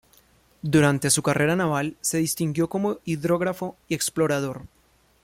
Durante su carrera naval se distinguió como hidrógrafo y explorador.